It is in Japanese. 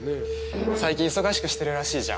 最近忙しくしてるらしいじゃん。